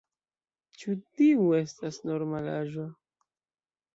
Ĉu tiu estas normalaĵo?